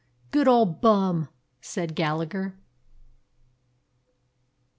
"Good old Bum!" said Gallagher.